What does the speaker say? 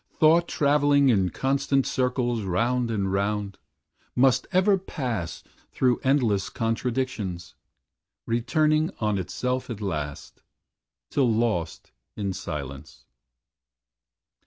Thought Travelling in constant circles, round and round, Muist ever pass through endless contradictions, Returning on itself at last, till lost In silence.